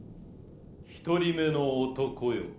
「１人目の男よ」。